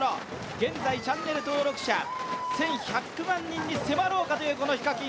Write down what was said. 現在チャンネル登録者１１００万人に迫ろうかというこのＨＩＫＡＫＩＮ。